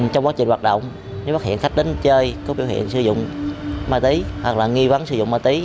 trong quá trình hoạt động nếu phát hiện khách đến chơi có biểu hiện sử dụng ma túy hoặc là nghi vấn sử dụng ma túy